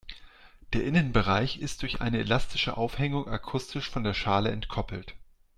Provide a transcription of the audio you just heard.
Der Innenbereich ist durch eine elastische Aufhängung akustisch von der Schale entkoppelt.